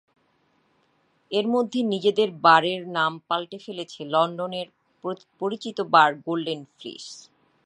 এর মধ্যে নিজেদের বারের নাম পাল্টে ফেলেছে লন্ডনের পরিচিত বার গোল্ডেন ফ্লিস।